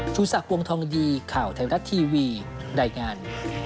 ชูศักดิ์วงทองดีข่าวไทยรัฐทีวีรายงาน